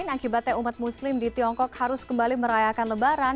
akibatnya umat muslim di tiongkok harus kembali merayakan lebaran